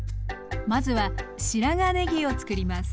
まずは白髪ねぎをつくります。